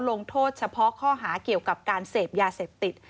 ลงโทษเฉพาะข้อหาเกี่ยวกับการเสพยาเสพติด